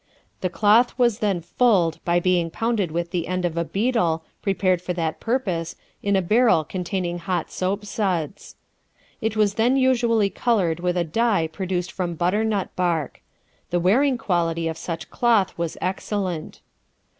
The cloth was then fulled, by being pounded with the end of a beetle, prepared for that purpose, in a barrel containing hot soapsuds. It was then usually colored with a dye produced from butternut bark. The wearing quality of such cloth was excellent.